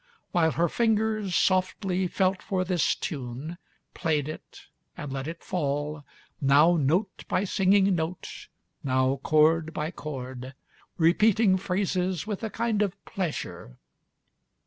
while her ringers, softly, Felt for this tune, played it and let it fall, Now note by singing note, now chord by chord, Repeating phrases with a kind of pleasure.